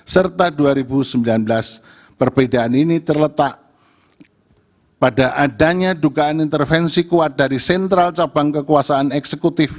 serta dua ribu sembilan belas perbedaan ini terletak pada adanya dugaan intervensi kuat dari sentral cabang kekuasaan eksekutif